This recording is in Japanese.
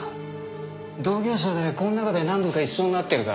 同業者でこの中で何度か一緒になってるからね。